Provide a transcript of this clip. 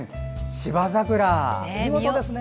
芝桜、見事ですね。